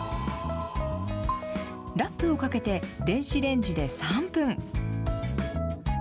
ラップをかけて電子レンジで３分。